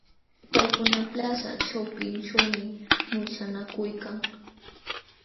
Paykuna plaza ćhawpinćhuumi muchanakuykan.